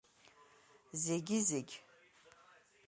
Зегьы, зегь!